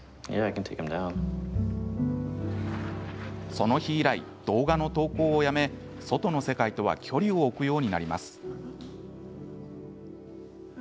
その日以来、動画の投稿をやめ外の世界とは距離を置くようになります。